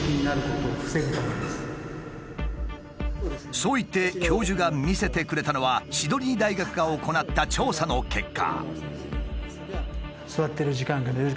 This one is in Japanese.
そう言って教授が見せてくれたのはシドニー大学が行った調査の結果。